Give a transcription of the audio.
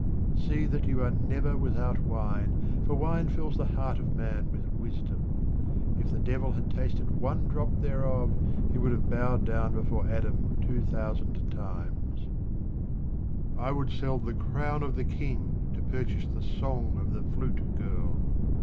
See that you are never without wine, for wine fills the heart of man with wisdom. If the devil had tasted one drop thereof, he would 77 QUATRAINS OF OMAR KHAYYAM have bowed down before Adam two thousand times. I WOULD sell the crown of the king to pur chase the song of the flute girl.